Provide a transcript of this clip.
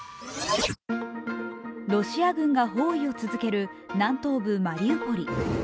ロシア軍が包囲を続ける南東部マリウポリ。